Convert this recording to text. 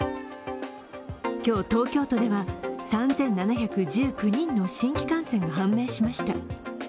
今日、東京都では３７１９人の新規感染が判明しました。